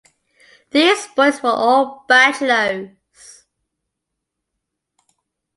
These boys were all bachelors.